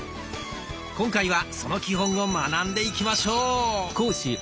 今回はその基本を学んでいきましょう。